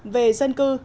về dân cư